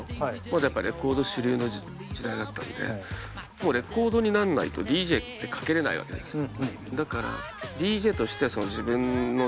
まだやっぱレコード主流の時代だったんでもうレコードになんないとＤＪってかけれないわけですよ。